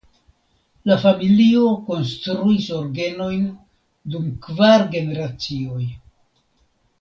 La familio konstruis orgenojn dum kvar generacioj.